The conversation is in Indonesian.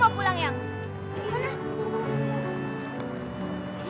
pak jangan diambil pak